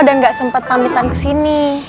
dan gak sempet pamitan kesini